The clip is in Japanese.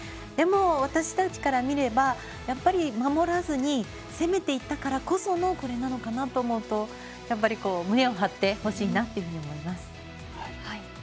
でも、私たちから見ればやっぱり守らずに攻めていったからこそのこれなのかなと思うと胸を張ってほしいなと思います。